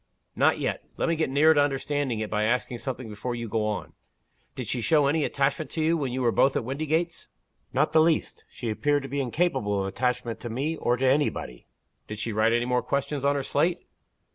"Not yet. Let me get nearer to understanding it by asking something before you go on. Did she show any attachment to you, when you were both at Windygates?" "Not the least. She appeared to be incapable of attachment to me, or to any body." "Did she write any more questions on her slate?"